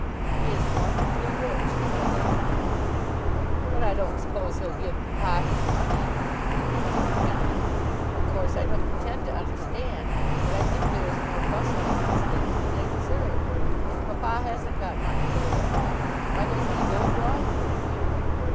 "He is wonderfully rich," said Lady Pomona. "But I don't suppose he'll give papa his money," continued Georgiana. "Of course I don't pretend to understand, but I think there is more fuss about these things than they deserve. If papa hasn't got money to live at home, why doesn't he go abroad for a year?